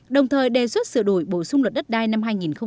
đồng thời đề xuất sửa đổi bổ sung luật đất đai năm hai nghìn một mươi ba